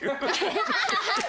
ハハハハ！